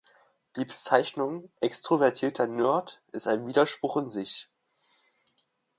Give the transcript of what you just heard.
Die Bezeichnung "extrovertierter Nerd" ist ein Widerspruch in sich.